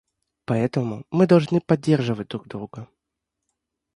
Поэтому мы должны поддерживать друг друга.